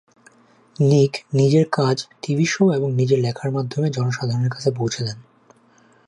নিক নিজের কাজ টিভি শো এবং নিজের লেখার মাধ্যমে জনসাধারণের কাছে পৌঁছে দেন।